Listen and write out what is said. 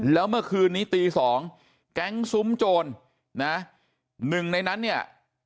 แล้วเมื่อคืนนี้ตีสองแก๊งซุ้มโจรนะหนึ่งในนั้นเนี่ย